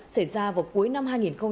xảy ra vào cuối năm hai nghìn một mươi chín